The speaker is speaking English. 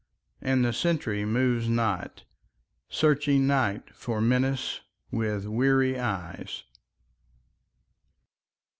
And the sentry moves not, searching Night for menace with weary eyes.